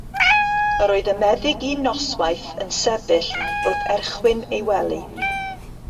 Yr oedd y meddyg un noswaith yn sefyll wrth erchwyn ei wely.